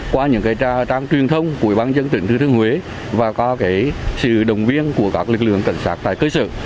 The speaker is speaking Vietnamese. qua những cái trang truyền thông của băng dân tỉnh thư thương huế và qua cái sự đồng viên của các lực lượng cảnh sát tại cơ sở